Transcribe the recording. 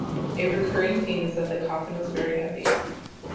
A recurring theme is that the coffin was very heavy.